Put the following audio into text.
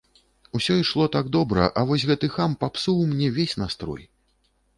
Усё ішло так добра, а вось гэты хам папсуў мне ўвесь настрой!